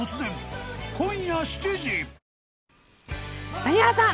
谷原さん